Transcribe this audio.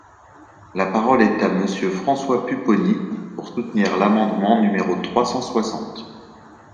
La parole est à Monsieur François Pupponi, pour soutenir l’amendement numéro trois cent soixante.